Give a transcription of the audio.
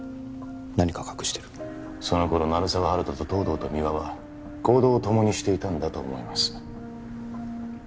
何か隠してるその頃鳴沢温人と東堂と三輪は行動を共にしていたんだと思います